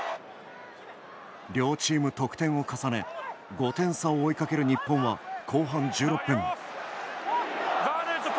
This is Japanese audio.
両チーム、得点を重ね５点差を追いかける日本は後半１６分。